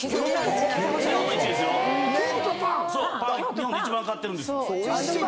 日本で一番買ってるんですよ。